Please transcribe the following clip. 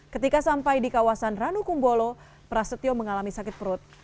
ketika sampai di kawasan ranukumbolo prasetyo mengalami sakit perut